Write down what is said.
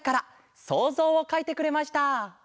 そうぞうをかいてくれました。